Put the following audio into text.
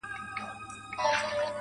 • زه به يې ياد يم که نه.